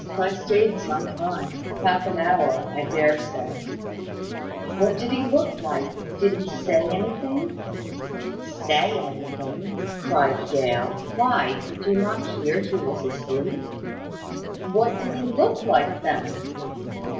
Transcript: I stayed some time; half an hour, I dare say." "What did he look like? Did he say anything?" "Say anything!" cried Dale: "why, did you not hear he was asleep?" "What did he look like, then?"